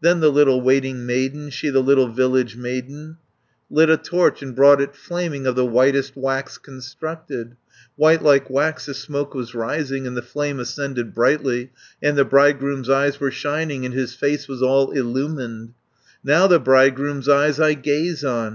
Then the little waiting maiden, She the little village maiden, Lit a torch, and brought it flaming, Of the whitest wax constructed. White like wax the smoke was rising, And the flame ascended brightly, 210 And the bridegroom's eyes were shining, And his face was all illumined. "Now the bridegroom's eyes I gaze on!